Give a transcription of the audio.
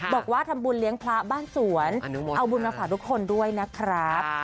บอกว่าทำบุญเลี้ยงพระบ้านสวนเอาบุญมาฝากทุกคนด้วยนะครับ